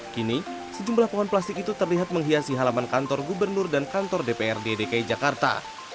kini sejumlah pohon plastik itu terlihat menghiasi halaman kantor gubernur dan kantor dprd dki jakarta